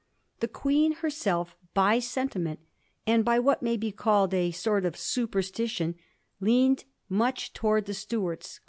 The Queen herself by sentiment, and by what may be called a sort of superstition, leaned much towards the Stuarts.